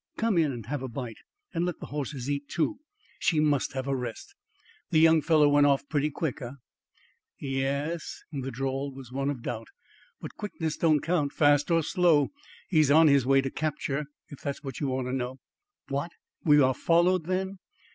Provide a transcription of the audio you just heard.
Come in and have a bite; and let the horses eat, too. She must have a rest. The young fellow went off pretty quick, eh?" "Ya as." The drawl was one of doubt. "But quickness don't count. Fast or slow, he's on his way to capture if that's what you want to know." "What? We are followed then?"